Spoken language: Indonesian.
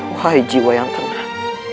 wahai jiwa yang tengah